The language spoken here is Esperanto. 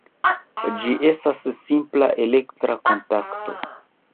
Ĝi estas simpla elektra kontakto.